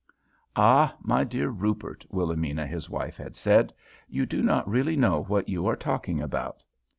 "'Ah, my dear Rupert,' Wilhelmina, his wife, had said, 'you do not really know what you are talking about!